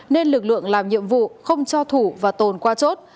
nên lực lượng làm nhiệm vụ không cho thủ và tồn qua chốt